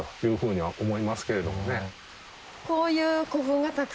はい。